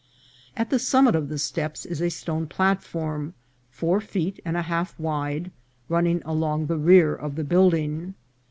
At the summit of the steps is a stone platform four feet and a half wide, running along the rear of the building.